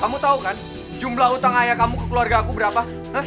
kamu tahu kan jumlah utang ayah kamu ke keluarga aku berapa